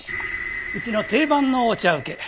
うちの定番のお茶請け。